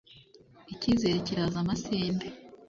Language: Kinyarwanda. Ikizere kiraza amasinde